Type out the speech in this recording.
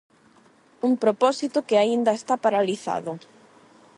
Un propósito que aínda está paralizado.